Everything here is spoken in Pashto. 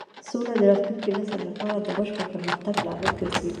سوله د راتلونکي نسل لپاره د بشپړ پرمختګ لامل ګرځي.